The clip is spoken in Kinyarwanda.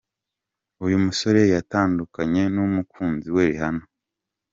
Uyu musore yatandukanye n'umukunzi we Rihanna.